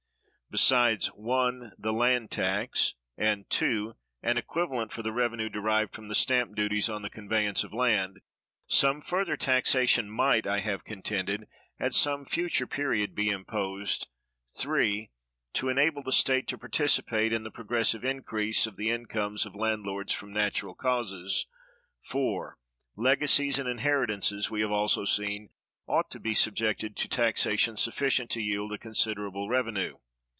Besides (1) the land tax,(346) and (2) an equivalent for the revenue derived from stamp duties on the conveyance of land, some further taxation might, I have contended, at some future period be imposed, (3) to enable the state to participate in the progressive increase of the incomes of landlords from natural causes. (4) Legacies and inheritances, we have also seen, ought to be subjected to taxation sufficient to yield a considerable revenue.